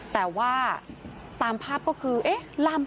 ตอนนี้ขอเอาผิดถึงที่สุดยืนยันแบบนี้